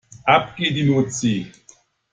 Ab geht die Luzi.